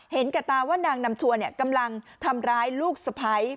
เห็นกับตาว่านางนำชวนเนี่ยกำลังทำร้ายลูกสะพัย